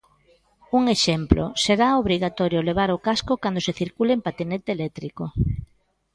Un exemplo, será obrigatorio levar o casco cando se circule en patinete eléctrico.